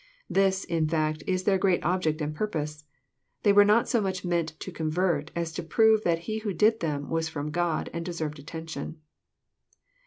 This, in fact, is their great object and purpose. They were not so much meant to convert, as to prove that He who did them was A:om God, and deserved attention.